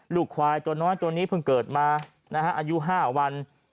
ลูกควายตัวน้อยตัวนี้เพิ่งเกิดมาอายุ๕วัน